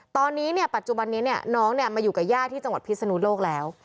ตอนนี้เนี่ยปัจจุบันนี้เนี่ยน้องเนี่ยมาอยู่กับญาติที่จังหวัดพิสนุนโลกแล้ว